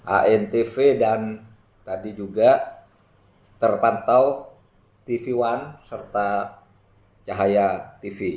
antv dan tadi juga terpantau tv one serta cahaya tv